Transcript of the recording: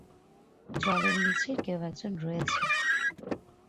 জলের নীচে কেউ একজন রয়েছে।